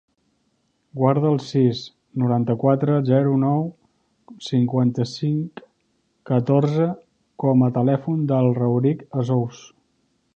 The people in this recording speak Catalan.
Guarda el sis, noranta-quatre, zero, nou, cinquanta-cinc, catorze com a telèfon del Rauric Azzouz.